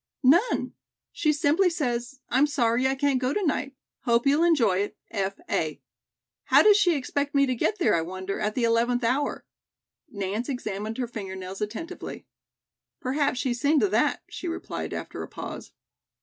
"None. She simply says 'I'm sorry I can't go to night. Hope you'll enjoy it. F. A.' How does she expect me to get there, I wonder, at the eleventh hour?" Nance examined her finger nails attentively. "Perhaps she's seen to that," she replied after a pause.